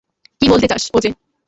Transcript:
কী বলতে চাস, ওজে?